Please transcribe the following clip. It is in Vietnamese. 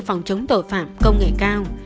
phòng chống tội phạm công nghệ cao